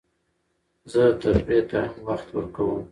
زه تفریح ته هم وخت ورکوم.